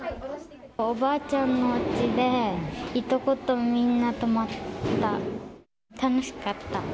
おばあちゃんのうちで、いとことみんなと泊まった。